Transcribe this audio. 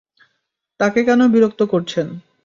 তাকে কেনো বিরক্ত করছেন?